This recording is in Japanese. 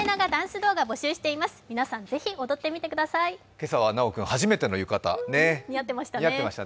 今朝はなお君、初めての浴衣、似合ってましたね。